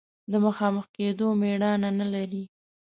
د مخامخ کېدو مېړانه نه لري.